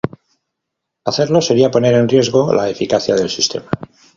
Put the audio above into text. Hacerlo sería poner en riesgo la eficacia del sistema.